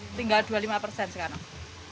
rp tujuh puluh lima tinggal rp dua puluh lima sekarang